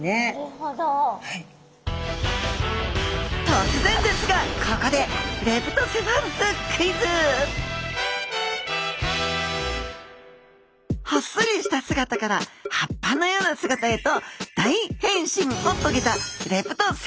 とつぜんですがここでほっそりした姿から葉っぱのような姿へと大変身をとげたレプトセファルスちゃん。